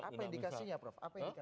apa indikasinya prof